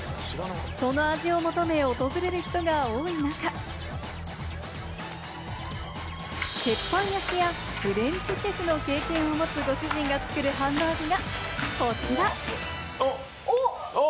その味を求め訪れる人が多い中、鉄板焼きやフレンチシェフの経歴を持つご主人が作るハンバーグが、こちら！